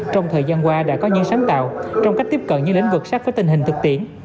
trong thời gian qua đã có những sáng tạo trong cách tiếp cận những lĩnh vực sát với tình hình thực tiễn